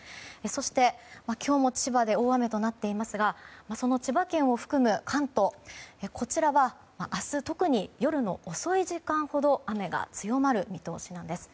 そして、今日も千葉で大雨となっていますがその千葉県を含む関東こちらは明日特に夜の遅い時間ほど雨が強まる見通しなんです。